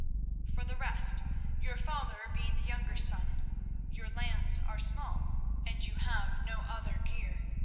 "For the rest, your father being the younger son, your lands are small, and you have no other gear.